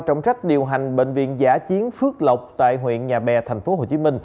trọng trách điều hành bệnh viện giả chiến phước lộc tại huyện nhà bè tp hcm